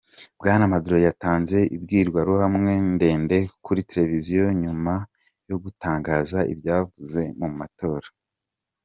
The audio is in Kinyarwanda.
Bwana Maduro yatanze imbwirwaruhame ndende kuri televiziyo nyuma yo gutangaza ibyavuze mu matora.